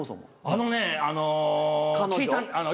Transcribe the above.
あのね。